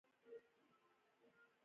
زه د خاموشۍ ځایونه خوښوم.